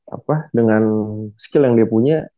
apa dengan skill yang dia punya